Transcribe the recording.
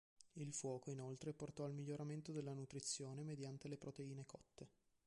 Il fuoco inoltre portò al miglioramento della nutrizione mediante le proteine cotte.